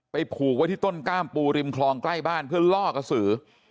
ผูกไว้ที่ต้นกล้ามปูริมคลองใกล้บ้านเพื่อล่อกระสือ